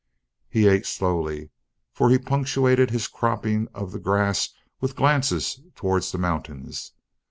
He ate slowly, for he punctuated his cropping of the grass with glances towards the mountains.